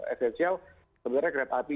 esensial sebenarnya kereta api